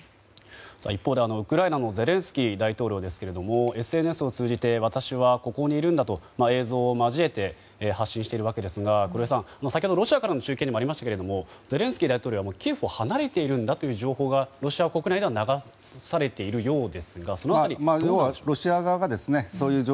一方でウクライナのゼレンスキー大統領ですけれどもＳＮＳを通じて私はここにいるんだと映像を交えて発信しているわけですが黒井さん、先ほどロシアからの中継でもありましたがゼレンスキー大統領はキエフを離れているんだという情報がロシア国内では流されているようですがその辺り、どうでしょうか。